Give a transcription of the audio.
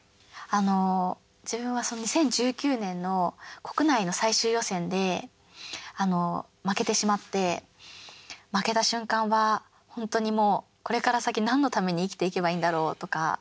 自分は２０１９年の国内の最終予選で負けてしまって負けた瞬間は本当にもうこれから先、何のために生きていけばいいだろうとか。